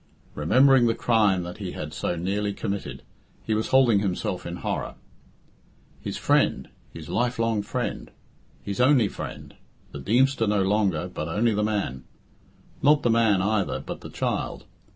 Remembering the crime that he had so nearly committed, he was holding himself in horror. His friend! His life long friend! His only friend! The Deemster no longer, but only the man. Not the man either, but the child.